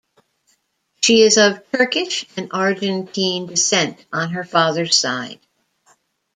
She is of Turkish and Argentine descent on her father's side.